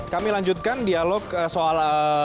kami lanjutkan dialog soal